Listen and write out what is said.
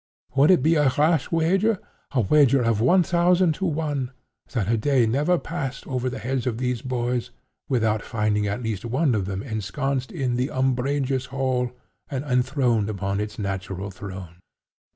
Would it be a rash wager—a wager of one thousand to one—that a day never passed over the heads of these boys without finding at least one of them ensconced in the umbrageous hall, and enthroned upon its natural throne?